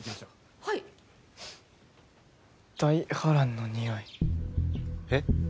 はい大波乱のにおいえっ？